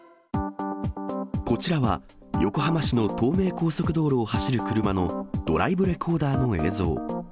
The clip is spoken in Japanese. こちらは、横浜市の東名高速道路を走る車のドライブレコーダーの映像。